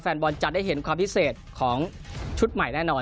แฟนบอลจะได้เห็นความพิเศษของชุดใหม่แน่นอน